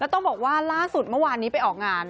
แล้วต้องบอกว่าล่าสุดมาวานนี้ไปออกงาน